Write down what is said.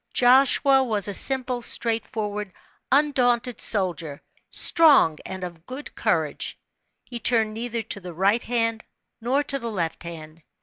Joshua was a simple, straightforward, undaunted soldier "strong and of a good courage." He turned neither to the right hand nor to the left hand.